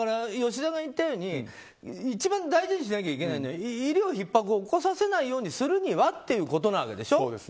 吉田が言ったように一番大事にしなきゃいけないのは医療ひっ迫を起こさないようにするにはということでしょ。